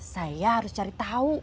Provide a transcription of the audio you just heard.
saya harus cari tahu